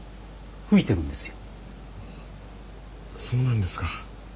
そうなんですか。